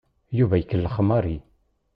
Yuba ikellex Mary.